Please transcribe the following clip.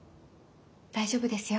大丈夫ですよ。